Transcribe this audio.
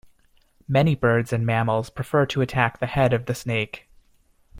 Many birds and mammals prefer to attack the head of the snake.